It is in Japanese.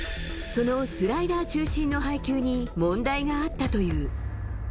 そのスライダー中心の配球に問題があったという。